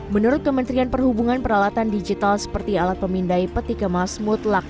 menurut kementerian perhubungan peralatan digital seperti alat pemindai peti kemas mutlak